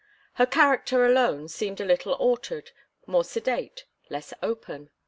Her character alone seemed a little altered, more sedate, less open.